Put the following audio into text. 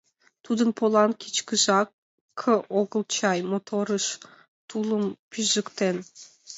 Тудын полан кичкыжак огыл чай моторыш тулым пижыктен?